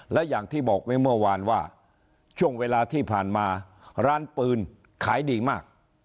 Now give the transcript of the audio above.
และอย่างที่บอกไว้เมื่อวานว่าช่วงเวลาที่ผ่านมาร้านปืนขายดีมาก